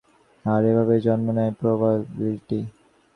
আর এভাবেই জন্ম নেয় প্রবাবিলিটি।